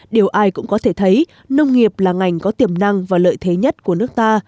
điều ai cũng có thể thấy nông nghiệp là ngành có tiềm năng và lợi thế nhất của nước ta